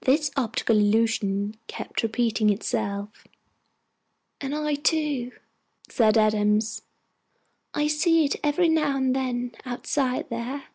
This optical illusion kept repeating itself. "And I too," said Adams. "I see it every now and then, outside there.